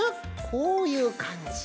こういうかんじ。